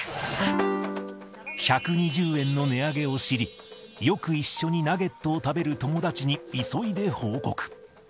１２０円の値上げを知り、よく一緒にナゲットを食べる友達に急いで報告。